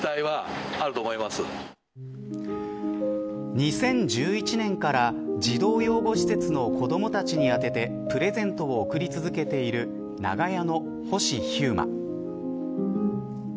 ２０１１年から児童養護施設の子供たちに宛ててプレゼントを贈り続けている長屋の星飛雄馬。